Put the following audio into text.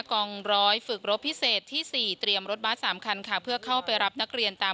กองร้อยฝึกรบพิเศษที่๔เตรียมรถบัส๓คันค่ะเพื่อเข้าไปรับนักเรียนตาม